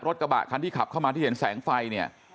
รถกระบะคันที่ขับเข้ามาที่เห็นแสงไฟเนี่ย